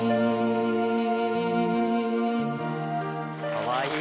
かわいい。